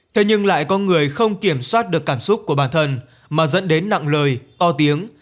thế nhưng lại có người không kiểm soát được cảm xúc của bản thân mà dẫn đến nặng lời to tiếng